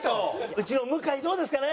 うちの向井どうですかね？